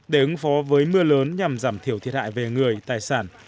để ứng phó với mưa lớn nhằm giảm thiểu thiệt hại về người tài sản